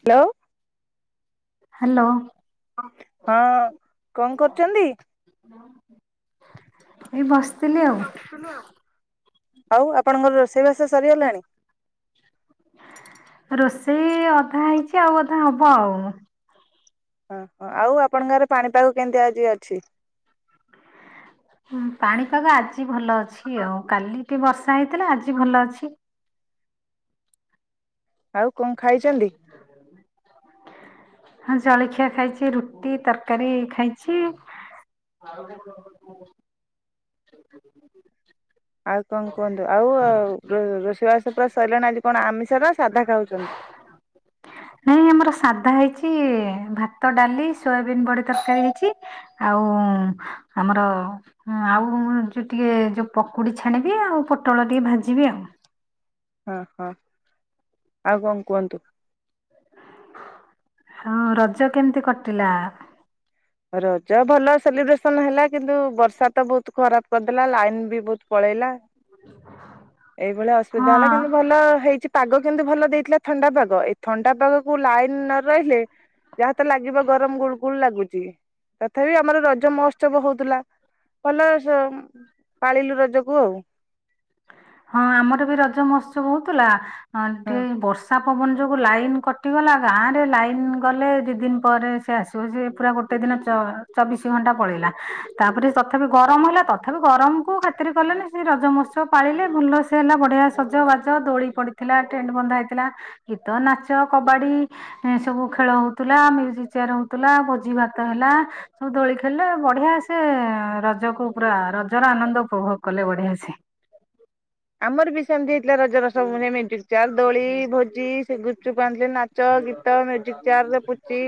Hello hello ହଁ କଂ କରୁଚନ୍ତି? ଏଇ ବସିଥିଲି ଆଉ। ଆଉ ଆପଣଙ୍କର ରୋଷେଇବାସ ସରିଗଲାଣି। ରୋଷେଇ ଅଧା ହେଇଚି ଆଉ ଅଧା ହବ ଆଉ। ଓହୋ ଆଉ ଆପଣଙ୍କର ପାଣିପାଗ କେମିତି ଆଜି ଅଛି? ହଁ ପାଣିପାଗ ଆଜି ଭଲ ଅଛି ଆଉ। କାଲି ଟିକେ ବର୍ଷା ହେଇଥିଲା ଆଜି ଭଲ ଅଛି। ଆଉ କଣ ଖାଇଛନ୍ତି? ହଁ ହଁ ଜଳଖିଆ ଖାଇଛି ରୁଟି ତରକାରୀ ଖାଇଚି। [unintelligible] ଆଉ କଂ କୁହନ୍ତୁ? ଆଉ ରୋ ରୋଷେଇବାସ ପୁରା ସଇଲାଣି ଆଜି କଣ ଆମିଷ ର ସାଧା ଖାଉଚନ୍ତି। ନାଇଁ ଆମର ସାଧା ହେଇଛି ଭାତ, ଡାଲି, ସୋୟାବିନ୍ ବଡି ତରକାରୀ ହେଇଚି। ଆଉ ଆମର ହଁ ଆଉ ଯୋଉ ଟିକେ ଯୋଉ ପକୁଡି ଛାଣିବି। ଆଉ ପୋଟଳ ଟିକେ ଭାଜିବି ଆଉ। ହଁ ହଁ ଆଉ କଁ କୁହନ୍ତୁ। ହଁ ରଜ କେମିତି କଟିଲା? ରଜ ଭଲ ସେଲିବ୍ରେସନ ହେଲା କିନ୍ତୁ ବର୍ଷା ତ ବହୁତ ଖରାପ କରିଦେଲା ଲାଇନ ବି ବହୁତ ପଳେଇଲା। ଏଇଭଳିଆ ଅସୁବିଧା ହେଲା ହଁ କିନ୍ତୁ ଭଲ ହେଇଚି। ପାଗ କିନ୍ତୁ ଭଲ ଦେଇଥିଲା ଥଣ୍ଡା ପାଗ ଏଇ ଥଣ୍ଡା ପାଗକୁୁ ଲାଇନ ନ ରହିଲେ- - ଯାହା ତ ଲାଗିବ ଗରମ ଗୁଳ ଗୁଳ ଲାଗୁଚି। ତଥାପି ଆମର ରଜ ମହୋତ୍ସବ ହଉଥିଲା ଭଲ ରଜ ପାଳିଲୁ ରଜକୁ ଆଉ। ହଁ ଆମର ବି ରଜ ମହୋତ୍ସବ ହଉଥିଲା ହଁ ଟିକେ ବ- - ର୍ଷା ପବନ ଯୋଗୁଁ ଲାଇନ୍ କଟିଗଲା ଗାଁରେ ଲାଇନ୍ ଗଲେ ଦିଇ ଦିନ ପରେ ସେ ଆସିବ। ସେ ପୁରା- - ଗୋଟେ ଦିନ ଚ ଚବିଶି ଘଣ୍ଟା ପଳେଇଲା ତାପରେ ତଥାପି ଗରମ ହେଲା ତଥାପି ଗରମ କୁ ଖାତିର କଲେନି। ସେ ରଜ ମୋତ୍ସବ ପାଳିଲେ ଭଲ ସେ ହେଲା ବଢିଆ ସଜବାଜ ଦୋଳି ପଡିଥିଲା ଟ୍ରେଣ୍ଟ ବନ୍ଧା ହେଇଥିଲା। ଗୀତ ନାଚ କବାଡି। ଏ ସବୁ ଖେଳ ହଉଥିଲା ମ୍ୟୁଜିକ ଚେୟାର ହଉଥିଲା ଭୋଜି ଭାତ ହେଲା। ସବୁ ଦୋଳି ଖେଳିଲେ ବଢିଆ ସେ ରଜକୁ ପୁରା ରଜର ଆନନ୍ଦ ଉପଭୋଗ କଲେ ବଢିଆ ସେ। ଆମର ବି ସେମିତି ହେଇଥିଲା ରଜ ର ସବୁ ମାନେ ମିୟୁଜିକ ଚେୟାର, ଦୋଳି, ଭୋଜି, ସେ ଗୁପଚୁପ୍ ଆଣିଥିଲେ ନା ନାଚ, ଗୀତ, ମ୍ୟୁଜିକ ଚେୟାର ରେ, ପୁଚି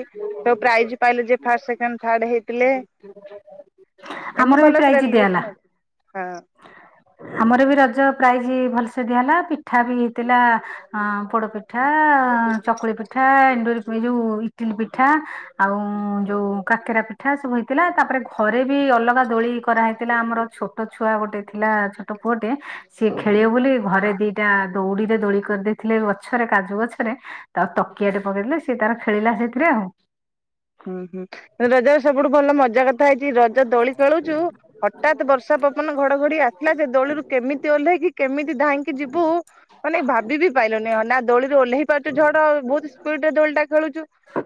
ସବୁ ପ୍ରାଇଜ୍ ପାଇଲେ ଯେ ଫାଷ୍ଟ ସେକେଣ୍ଡ ଥାର୍ଡ ହେଇଥିଲେ। ଆମର ଏମିତି ବି ଭଲ ସେ ପ୍ରାଇଜ ଦିଆହେଲା ସେଲିଭିସନ ହେଇଛି। ହଁ। ଆମର ବି ରଜ ପ୍ରାଇଜ ଭଲସେ ଦିଆ ହେଲା ପିଠା ବି ହେଇଥିଲା ଅ ପୋଡପି ହଁ ହଁ। ଚକୁଳି ପିଠା, ଏଣ୍ଡୁରି ଏ ଯୋଉ ଇଟିଲି ପିଠା ଆଉ ଯୋଉ କାକେରା ପିଠା ସବୁ ହେଇଥିଲା। ତାପରେ ଘରେ ବି ଅଲଗା ଦୋଳି କରାହେଇ ଥିଲା ଆମର ଛୋଟ ଛୁଆ ଗୋଟେ ଥିଲା ଛୋଟ ପୁଅଟେ ସିଏ ଖେଳିବ ବୋଲି ଘରେ ଦିଟା ଦଉଡିରେ ଦୋଳି କରିଦେଇଥିଲେ ଗଛରେ କାଜୁ ଗଛରେ। ତାର ତକିଆ ଟେ ପକେଇଦେଲେ ସିଏ ତାର ଖେଳିଲା ସେଇଥିରେ ଆଉ। ହୁଁ ହୁଁ ରଜର ସବୁଠୁ ଭଲ ମଜା କଥା ହେଇଛି ରଜ ଦୋଳି ଖେଳୁଛୁ ହଠାତ୍ ବର୍ଷା ପବନ ଘଡଘଡି ଆସିଲା ଯେ ଦୋଳିରୁ କେମିତି ଓହ୍ଲେ କି କେମିତି ଧାଇଁକି ଯିବୁ ମାନେ ଭାବି ବିି ପାଇଲୁନି ନା ଦୋଳିରେ ଓହ୍ଲେଇ ପାରୁଛୁ ଝଡ ବହୁତ। ଏପଟେ ଦୋଳିଟା ଖେଳୁଛୁ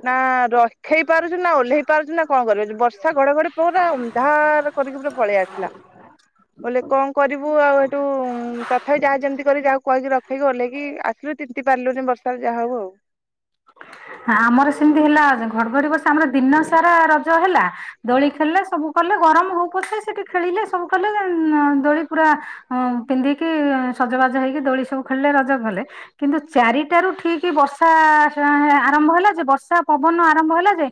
ନା ରହି ଖେଳି ପାରୁଛୁ ନା ଓହ୍ଲେଇ ପାରୁଛୁ ନା କଣ କରି ପାରୁଛୁ, ବର୍ଷା ଘଡଘଡି ପୁରା ଅନ୍ଧାର କରିକି ପୁରା ପଳେଇ ଆସିଲା। ଓହ୍ଲେଇ କଣ କରିବୁ ଆଉ ସେଇଠୁ ତଥାପି ଯାହା ଯେମିତି କରିବି ଯହାକୁ କହିକି ରଖେଇଲୁ ଓଲ୍ହେଇକି ଆସିଲୁ। ତି [unintelligible] ପାରିଲୁନୁ ବର୍ଷାରେ ଯାହା ହଉ ଆଉ। ଆମର ସେମିତି ହେଲା ଘଡଘଡି ବର୍ଷା ଆମର ଦିନ ସାରା ରଜ ହେଲା। ଦୋଳି ଖେଳିଲେ ସବୁ କଲେ ଗରମ ହଉ ପଛେ ସେଠି ଖେଳିଲେ ସବୁ କଲେ, ଦୋଳି ପୁରା ହଁ ପିନ୍ଧିକି ସଜବାଜ ହେଇକି ଦୋଳି ସବୁ ଖେଳିଲେ ରଜ କଲେ। କିନ୍ତୁ ଚାରିଟା ରୁ ଠିକ ବର୍ଷା ଆରମ୍ଭ ହେଲା ଯେ ବର୍ଷା ପବନ ଆରମ୍ଭ ହେଲା ଯେ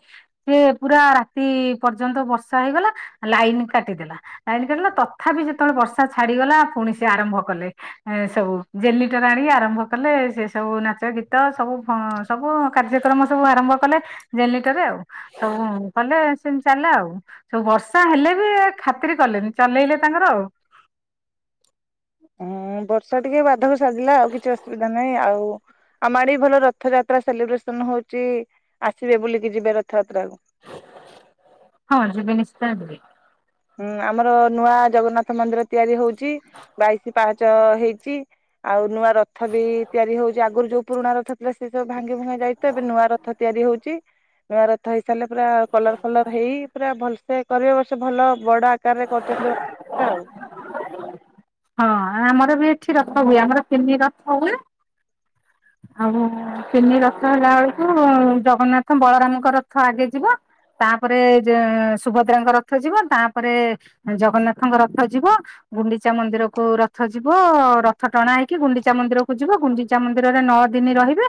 ସେ ପୁରା ରାତି ପର୍ଯ୍ୟନ୍ତ ବର୍ଷା ହେଇଗଲା ଲାଇନ କାଟିଦେଲା। ଲାଇନ୍ କଟିଲା ତଥାପି ସେତେବେଳେ ବର୍ଷା ଛାଡିଗଲା ପୁଣି ସେ ଆରମ୍ଭ କଲେ। ଏ ସବୁ ଜେନରିଟର ଆଣି ଆରମ୍ଭ କଲେ, ସେ ସବୁ ନାଚ ଗୀତ ସବୁ ଫ ସବୁ କାର୍ଯ୍ୟକ୍ରମ ସବୁ ଆରମ୍ଭ କଲେ ଜେନଲିଟରେ ଆଉ। ସବୁ କଲେ ସେମିତି ଚାଲିଲା ଆଉ। ସବୁ ବର୍ଷା ହେଲେ ବି ଖାତିର କଲେନି ଚଲେଇଲେ ତାଙ୍କର ଆଉ। ହୁଁ ବର୍ଷା ଟିକେ ବାଧକ ସାଜିଲା ଆଉ କିଛି ଅସୁବିଧା ନାହିଁ ଆଉ। ଆମ ଆଡେ ଭଲ ରଥଯାତ୍ରା ସେଲିବ୍ରେସନ ହଉଛି ଆସିବେ ବୁଲିକି ଯିବେ ରଥଯାତ୍ରା କୁ। ହଁ ଯିବି ନିଶ୍ଚୟ ଯିବି। ହୁଁ ଆମର ନୂଆ ଜଗନ୍ନାଥ ମନ୍ଦିର ତିଆରି ହଉଛି, ବାଇଶି ପାହଚ ହେଇଛି। ଆଉ ନୂଆ ରଥ ବି ତିଆରି ହଉଛି ଆଗରୁ ଯୋଉ ପୁରୁଣା ରଥ ଥିଲା ସେ ସବୁ ଭାଙ୍ଗି ଭୁଙ୍ଗା ଯାଇଛି ଏବେ ନୂଆ ରଥ ରଥ ତିଆରି ହଉଛି। ନୂଆ ରଥ ହେଇ ସାରିଲେ ପୁରା କଲର ଫଲର ହେଇ ପୁରା ଭଲସେ କରିବେ ଏ ବର୍ଷ ଭଲ ବଡ ଆକାରରେ କରୁଛନ୍ତି ରଥ ଟା ଆଉ। ହଁ ଆମର ବି ଏଠି ରଥ ହୁଏ ଆମର ତିନି ରଥ ହୁଏ। ଆଉ ତିନି ରଥ ହେଲା ବେଳକୁ ଜଗନ୍ନାଥ ବଳରାମଙ୍କ ରଥ ଆଗେ ଯିବ। ତାପରେ ସୁଭଦ୍ରାଙ୍କ ରଥ ଯିବ ତାପରେ ଜଗନ୍ନାଥଙ୍କ ରଥ ଯିବ। ଗୁଣ୍ଡିଚା ମନ୍ଦିରକୁ ରଥ ଯିବ ରଥ ଟଣା ହେଇକି ଗୁଣ୍ଡିଚା ମନ୍ଦିର କୁ ଯିବ ଗୁଣ୍ଡିଚା ମନ୍ଦିର ମନ୍ଦିରରେ ନଅ ଦିନ ରହିବେ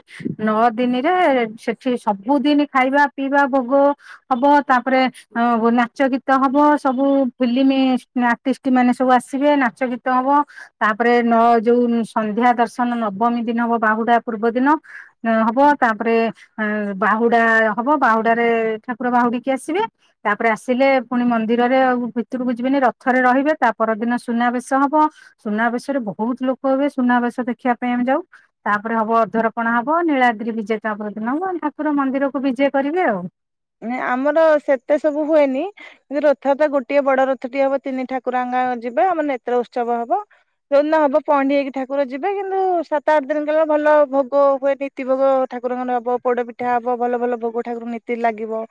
ନଅ ଦିନରେ ସେଠି ସବୁଦିନ ଖାଇବା ପିଇବା ଭୋଗ ହବ ତାପରେ ନାଚ ଗୀତ ହବ ସବୁ ଫିଲ୍ମ ଆଟିଷ୍ଟ ମାନେ ସବୁ ଆସିବେ ନାଚ ଗୀତ ହବ। ତାପରେ ନଅ ଯୋଉ ସନ୍ଧ୍ୟା ଦର୍ଶନ ନବମୀ ଦିନ ହବ ବାହୁଡା ପୂର୍ବ ଦିନ। ନ-ହବ ତାପରେ ଆ, ବାହୁଡା ହବ ବାହୁଡା ରେ ଠାକୁର ବାହୁଡିକି ଆସିବେ। ତାପରେ ଆସିଲେ ପୁଣି ମନ୍ଦିରରେ ଭିତରୁ ଯିବେନି ରଥରେ ରହିବେ। ତା ପର ଦିନ ସୁନାବେଶ ହବ। ସୁନାବେଶ ରେ ବହୁତ ଲୋକ ହେବେ ସୁନାବେଶ ଦେଖିବା ପାଇଁ ଆମେ ଯାଉ। ତାପରେ ହବ ଅଧରପଣା ହବ, ନୀଳାନ୍ଦ୍ରି ବିଜେ ତା ପରଦିନ ହବ। ଠାକୁର ମନ୍ଦିରକୁ ବିଜେ କରିବେ ଆଉ। ନାଇ ଆମର ସେତେ ସବୁ ହୁଏନି। କିନ୍ତୁ ରଥଯାତ୍ରା ଗୋଟିଏ ବଡ ରଥଟି ହବ ତିନି ଠାକୁରାଙ୍ଗ ଯିବେ ଆମର ନେତ୍ର ଉତ୍ସବ ହବ। ଯୋଉଦିନ ହବ ପହଣ୍ଡି ହେଇକି ଠାକୁର ଯିବେ କିନ୍ତୁ ସାତ ଆଠ ଦିନ ଗଲା ଭଲ ଭୋଗ ହୁଏ। ତି ଭୋଗ ଠାକୁରଙ୍କର ହବ, ପୋଡ ପିଠା ହବ ଭଲ ଭଲ ଭୋଗ ଠାକୁର ନୀତି ଲାଗ ଗିବ,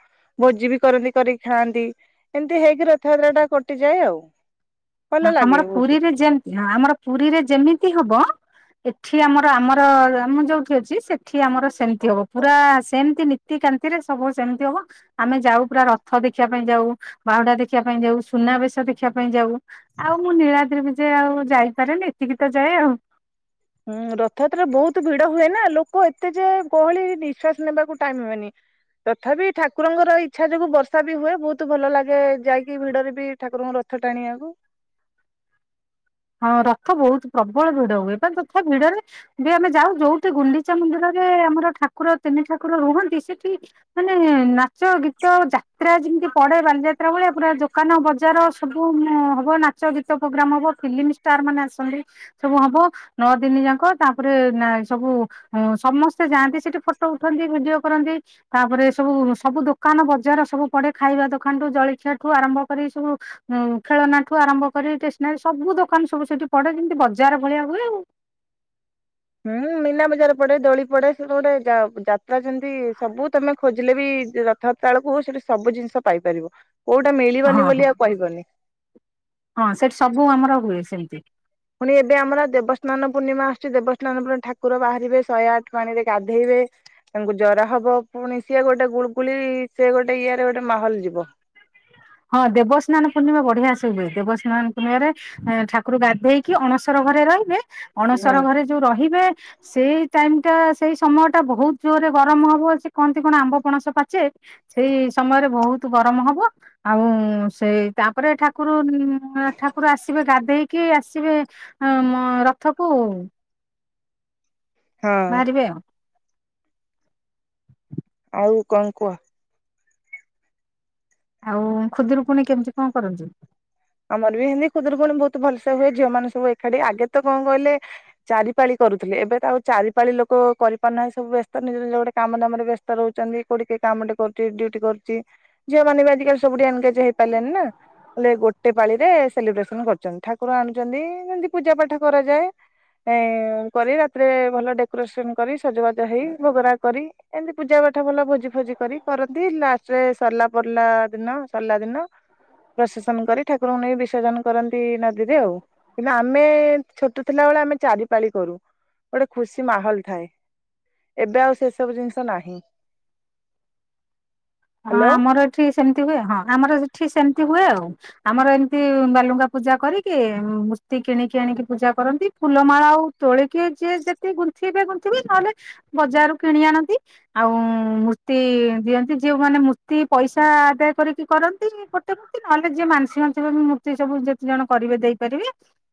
ଭୋଜି ବି କରନ୍ତି କରିକି ଖାଆନ୍ତି। ଏମିତି ହେଇକି ରଥଯାତ୍ରା ଟା କଟିଯାଏ ଆଉ। ଭଲ ହଁ ଲାଗେ ଆମର ବହୁତ। ପୁରୀରେ ଯେମତି ହଁ ଆମର ପୁରୀରେ ଯେମିତି ହବ ଏଠି ଆମର ଆମର ମୁଁ ଯୋଉଠି ଅଛି ସେଠି ଆମର ସେମିତି ହବ ପୁରା ସେମତି ନୀ ତି କାନ୍ତିରେ ସବୁ ସେମତି ହବ। ଆମେ ଯାଉ ପୁରା ରଥ ଦେଖିବା ପାଇଁ ଯାଉ, ବାହୁଡା ଦେଖିବା ପାଇଁ ଯାଉ, ସୁନାବେଶ ଦେଖିବା ପାଇଁ ଯାଉ। ଆଉ ମୁଁ ନୀଳାଦ୍ରି ବିଜେ ଆଉ ଯାଇପାରେନି ଏତିକି ତ ଯାଏ ଆଉ। ହୁଁ, ରଥଯାତ୍ରା ବହୁତ ଭିଡ ହୁଏ ନା, ଲୋକ ଏତେ ଯେ ଗହଳି ନିଶ୍ୱାସ ନେବାକୁ ଟାଇମ୍ ହୁଏନି। ତଥାପି ଠାକୁରଙ୍କର ଇଚ୍ଛା ଯୋଗୁ ବର୍ଷା ବି ହୁଏ। ବହୁତ ଭଲ ଲାଗେ ଯାଇକି ଭିଡରେ ବି ଠାକୁରଙ୍କ ର ଥ ଟାଣିବାକୁ। ହଁ ରଥ ବହୁତ ପ୍ରବଳ ଭିଡ ହୁଏ। [unintelligible] ତଥା ଭିଡରେ ବି ଆମେ ଯାଉ ଯୋଉଠି ଗୁଣ୍ଡିଚା ମନ୍ଦିରରେ ଆମର ଠାକୁର ତିନି ଠାକୁର ରୁହନ୍ତି ସେଠି ମାନେ ନାଚ, ଗୀତ, ଯାତ୍ରା ଯେମିତି ପଡେ ବାଲିଯାତ୍ରା ଭଳିଆ ପୁରା ଦୋକାନ ବଜାର ସ ସବୁ ଅଁ, ହବ ନାଚ, ଗୀତ ପ୍ରୋଗ୍ରାମ୍ ହବ ଫିଲ୍ମ ଷ୍ଟାର୍ ମାନେ ଆସନ୍ତି। ସବୁ ହବ। ନଅ ଦିନି ଯାକ ତାପରେ ନା ସବୁ ହଁ ସମସ୍ତେ ଯାଆନ୍ତି ସେଠି ଫଟୋ ଉଠାନ୍ତି, ଭିଡିଓ କରନ୍ତି। ତାପରେ ସବୁ ସବୁ ଦୋକାନ ବଜାର ସବୁ ପଡେ। ଖାଇବା ଦୋକାନଠୁ ଜଳଖିଆ ଠୁ ଆରମ୍ଭ କରି ସବୁ ଆଉ ଖେଳନାଠୁ ଆରମ୍ଭ କରି ଷ୍ଟେସନାରୀ ସବୁ ଦୋକାନ ସବୁ ସେଠି ପଡେ ଯେମିତି ବଜାର ଭଳିଆ ହୁଏ ଆଉ। ହୁଁ ମୀନା ବଜାର ପଡେ, ଦୋଳି ପଡେ ସେଟା ଗୋଟେ ଯା- ଯାତ୍ରା ଯେମିତି ସବୁ ତୋମେ ଖୋଜିଲେ ବି ଯେ ର [inaudible] କୁ ସେଠି ସବୁ ଜିନିଷ ପାଇପାରିବ କୋଉଟା ହଁ ମିଳିବନି ହଁ ବୋଲି ଆଉ କହିବନି। ହଁ ସେଠି ସବୁ ଆମର ହୁଏ ସେମିତି। ପୁଣି ଏବେ ଆମର ଦେବସ୍ନାନ ପୂର୍ଣ୍ଣିମା ଆସୁଛି ଦେବସ୍ନାନ ପୂ [unintelligible] ଠାକୁର ବାହାରିବେ ଶହେ ଆଠ ପାଣିରେ ଗାଧେଇବେ। ତାଙ୍କୁ ଜର ହବ ପୁଣି ସିଏ ଗୋଟେ ଗୁଳଗୁଳି ସିଏ ଗୋଟେ ଇଏ ରେ ଗୋଟେ ମାହଲ ଯିବ। [unintelligible] ହଁ ଦେବସ୍ନାନ ପୂର୍ଣ୍ଣିମା ବଢିଆ ସେ ହୁଏ। ଦେବସ୍ନାନ ପୂର୍ଣ୍ଣିମାରେ ହଁ ଠାକୁର ଗାଧେଇକି ଅଣସର ଘରେ ରହିବେ। ଅଣସର ହଁ ଘରେ ଯୋଉ ରହିବେ ସେଇ ଟାଇମ୍ ଟା ସେଇ ସମୟ ଟା ବହୁତ ଜୋରରେ ଗରମ ହବ। ସେ କହନ୍ତି କଣ ଆମ୍ବ, ପଣସ ପାଚେ। ସେଇ ସମୟରେ ବହୁତ ଗରମ ହବ। ଆଉ ଉଁ, ସେଇ ତାପରେ ଠାକୁର ଉଁ, ଆ, ଠାକୁର ଆସିବେ ଗାଧେଇକି ଆସିବେ। ଆ, ମ- ରଥ କୁ। ହଁ ବାହାରିବେ ଆଉ। ଆଉ କଣ କୁହ? ଆଉ ଖୁଦୁରୁକୁଣୀ କେମିତି କଣ କରନ୍ତି? ଆମର ବି ସେମିତି ଖୁଦୁରୁକୁଣୀ ବହୁତ ଭଲସେ ହୁଏ। ଝିଅ ମାନେ ସବୁ ଏକାଠି ଆଗେ ତ କଣ କହିଲେ ଚାରିପାଳି କରୁଥିଲେ ଏବେ ତ ଆଉ ଚାରିପାଳି ଲୋକ କରିପାରୁନାହାନ୍ତି। ସବୁ ବ୍ୟସ୍ତ ନିଜ ନିଜ ଗୋଟେ କାମ ଦାମ ରେ ବ୍ୟସ୍ତ ରହୁଚନ୍ତି। କୋଉଠି କିଏ କାମ ଟେ କରୁଛି ଡିଉଟି କରୁଚି। ଝିଅ ମାନେ ବି ଆଜିକାଲି ସବୁଠି ଏନଗେଜ୍ ହେଇ ପାରିଲେଣି ନା ହେଲେ ଗୋ ଗୋଟେ ପାଳି ରେ ସେଲିବ୍ରେସନ୍ କରୁଛନ୍ତି ଠାକୁର ଆଣିଛନ୍ତି ଯେମିତି ପୂଜା ପାଠ କରାଯାଏ। ଏ କରି ରାତିରେ ଭଲ ଡେକୋରେସନ୍ କରି ସଜବାଜ ହେଇ ଭୋଗରାଗ କରି ଏମିତି ପୂଜା ପାଠ ଭଲ ଭୋଜି ଫୋଜି କରି କରନ୍ତି ଲାଷ୍ଟରେ ସରିଲା ପଡିଲା ଦିନ ସରିଲା ଦିନ ପ୍ରସେସନ୍ କରି ଠାକୁରଙ୍କୁ ନେଇ ବିସର୍ଜନ କରନ୍ତି ନଦୀରେ ଆଉ। କିନ୍ତୁ ଆମେ ଛୋଟ ଥିଲା ବେଳେ ଆମେ ଚାରି ପାଳି କରୁ ଗୋଟେ ଖୁସି ମାହୋଲ ଥାଏ। ଏବେ ଆଉ ସେ ସବୁ ଜିନିଷ ନାହିଁ। ହଁ ହ୍ୟାଲୋ। ଆମର ଏଠି ସେମିତି ହୁଏ ହଁ ଆମର ସେଠି ସେମିତି ହୁଏ ଆଉ। ଆମର ଏମିତି ବାଲୁଙ୍କା ପୂଜା କରିକି ମୂର୍ତ୍ତି କିଣିକି ଆଣିକି ପୂଜା କରନ୍ତି ଫୁଲମାଳ ଆଉ ତୋଳି କିଏ ଯିଏ ଯେତିକି ଗୁନ୍ଥିବେ ଗୁନ୍ଥିବେ ନହେଲେ ବଜାରରୁ କିଣି ଆଣନ୍ତି ଆଉ ମୂର୍ତ୍ତି ଦିଅନ୍ତି ଯୋଉ ମାନେ ମୂର୍ତ୍ତି ପଇସା ଆଦାୟ କରିକି କରନ୍ତି ଗୋଟେ ମୂର୍ତ୍ତି ନହେଲେ ଯିଏ ମାଂସିକ ମାଂସିକ ମୂ ର୍ତ୍ତି ସବୁ ଯେତେ ଜଣ କରିବେ ଦେଇପାରିବେ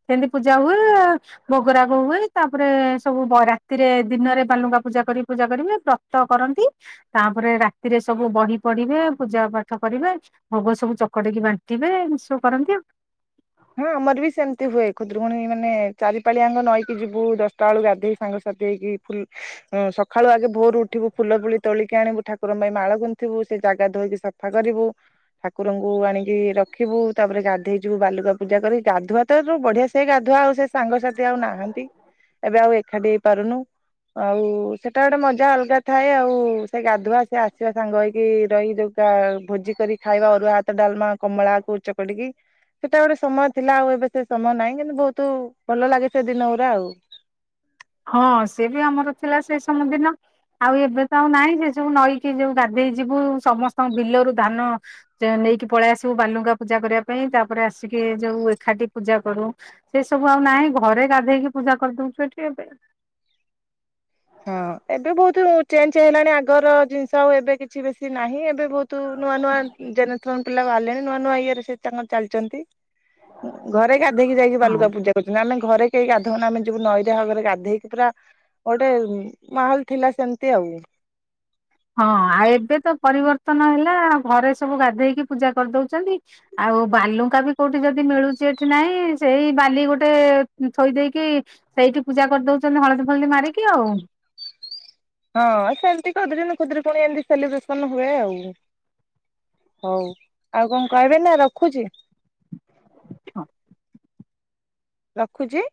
ସେମିତି ପୂଜା ହୁଏ ଭୋଗରାଗ ହୁଏଇ ତାପରେ ସବୁ ବ ରାତିରେ ଦିନରେ ବାଲୁଙ୍କା ପୂଜା କରି ପୂଜା କରିବେ ବ୍ର ତ କରନ୍ତି ତାପରେ ରାତିରେ ସ ସବୁ ବହି ପଢିବେ ପୂଜା ପାଠ କରିବେ ଭୋଗ ସବୁ ଚକଟିକି ବାଣ୍ଟିବେ ଏ ସବୁ କରନ୍ତି ଆଉ। ହଁ ଆମର ବି ସେମିତି ହୁଏ ଖୁଦୁରୁକୁଣୀ ମାନେ ଚାରି ପାଳି ଆମର ନଈକି ଯିବୁ ଦଶଟା ବେଳକୁ ଗାଧେଇ ସାଙ୍ଗ ସାଥି ହେଇକି ଫୁଲ ହଁ ସକାଳୁ ଆଗେ ଭୋରୁ ଉଠିବୁ ଫୁଲ ଫୁଲି ତୋଳିକି ଆଣିବୁ ଠାକୁରଙ୍କ ପାଇଁ ମାଳ ଗୁନ୍ଥିବୁ ସେ ଜାଗା ଧୋଇକି ସ ଫା କରିବୁ ଠାକୁରଙ୍କୁ ଆଣିକି ରଖିବୁ ତାପରେ ଗାଧେଇ ଯିବୁ ବାଲୁଙ୍କା ପୂଜା କରି ଗାଧୁଆ ତ ଯୋଉ ବଢିଆ ସେ ଗାଧୁଆ ଆଉ ସେ ସାଙ୍ଗ ସାଥି ଆଉ ନାହାନ୍ତି। ଏବେ ଆଉ ଏକାଠି ହେଇପାରୁନୁ ଆଉ ସେଟା ଗୋଟେ ମଜା ଅଲଗା ଥାଏ ଆଉ ସେ ଗା ଧୁଆ ସେ ଆସିବା ସାଙ୍ଗ ହେଇକି ରହିଯାଉ। ତ ଭୋଜି କରି ଖାଇବା ଅରୁଆ ଭାତ ଡାଲମା କମଳାକୁ ଚକଟିକି ସେଟା ଗୋଟେ ସ ସମୟ ଥିଲା ଆଉ ଏବେ ସେ ସମୟ ନାହିଁ କିନ୍ତୁ ବହୁତ ଭଲ ଲାଗେ ସେ ଦିନ ଗୁରା ଆଉ। ହଁ ସେ ବି ଆମର ଥିଲା ସେ ସବୁ ଦିନ। ଆଉ ଏବେ ତ ଆଉ ନାହିଁ ଯେ ଯୋଉ ନଈକି ଯୋଉ ଗାଧେଇ ଯିବୁ ସମସ୍ତଙ୍କ ବିଲରୁ ଧାନ ଯୋଉ ନେଇକି ପଳେଇ ଆସିବୁ ବାଲୁଙ୍କା ପୂଜା କରିବା ପାଇଁ ତାପରେ ଆସିକି ଏ ଯୋଉ ଏକାଠି ପୂଜା କରୁ। ସେ ସବୁ ଆଉ ନାହିଁ ଘରେ ଗାଧେଇକି ପୂଜା କରିଦଉଛୁ ଏଠି ଏବେ। ହଁ ଏବେ ବହୁତ ଚେଞ୍ଜ୍ ହେଲାଣି ଆଗର ଜିନିଷ ଆଉ ଏବେ କିଛି ବେଶୀ ନାହିଁ ଏବେ ବହୁତ ନୂଆ ନୂଆ ଜେନେରେସନ୍ ପିଲା ବାହାରିଲେଣି ନୂଆ ନୂଆ ଇଏରେ ସେ ତାଙ୍କର ଚାଲିଛନ୍ତି। ଘରେ ଗାଧେଇକି ଯାଇକି ହଁ। ବାଲୁକା ପୂଜା କରୁଛନ୍ତି ଆମେ ଘରେ କେହି ଗାଧଉନା ଆମେ ଯିବୁ ନଈରେ ଭଲରେ ଗାଧେଇକି ପୁରା ଗୋଟେ ମାହୋଲ ଥିଲା ସେମିତି ଆଉ। ହଁ ଆଉ ଏବେ ତ ପରିବର୍ତ୍ତନ ହେଲା ଆଉ ଘରେ ସବୁ ଗାଧେଇକି ପୂଜା କରିଦଉଛନ୍ତି। ଆଉ ବାଲୁଙ୍କା ବି କୋଉଠି ଯଦି ମିଳୁଛି ଏଠି ନାହିଁ ସେଇ ବାଲି ଗୋଟେ ଥୋଇ ଦେଇକି ସେଇଠି ପୂଜା କରିଦଉଛନ୍ତି ହଳଦୀ ଫଳଦୀ ମାରିକି ଆଉ। ହଁ ଏ ସେମିତି ଖୁଦୁରୁକୁଣୀ ଫୁଦୁରୁକୁଣୀ ଏମିତି ସେଲିବ୍ରେସନ୍ ହୁଏ ଆଉ। ହଉ ଆଉ କଣ କହିବେ ନା ରଖୁଛି। ହଁ। ରଖୁଛି।